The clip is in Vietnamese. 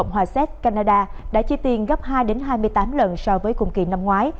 và xét canada đã chi tiền gấp hai hai mươi tám lần so với cùng kỳ năm ngoái